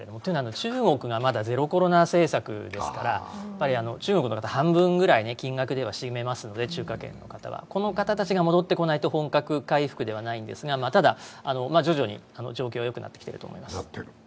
中国がまだゼロコロナ政策ですから、中華圏の方、半分くらい金額では占めますので、この方たちが戻ってこないと本格回復ではないんですが、ただ、徐々に状況はよくなってきていると思います。